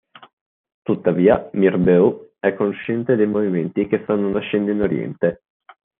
Tuttavia Mirbeau è cosciente dei movimenti che stanno nascendo in Oriente.